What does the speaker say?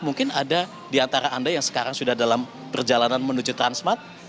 mungkin ada di antara anda yang sekarang sudah dalam perjalanan menuju transmart